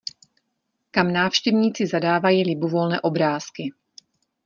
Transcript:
Kam návštěvníci zadávají libovolné obrázky.